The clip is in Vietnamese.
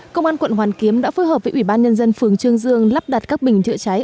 công an quận hoàn kiếm đã phối hợp với ủy ban nhân dân phường trương dương lắp đặt các bình chữa cháy